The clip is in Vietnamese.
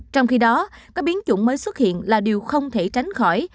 trong khi đó các biến chủng mới xuất hiện là điều không thể tránh khỏi